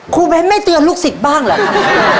เบ้นไม่เตือนลูกศิษย์บ้างเหรอครับ